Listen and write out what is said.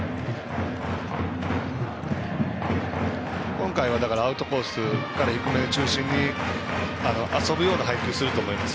今回はアウトコースから低め中心に遊ぶような配球をすると思います。